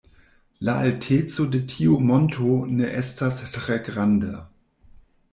La alteco de tiu monto ne estas tre granda.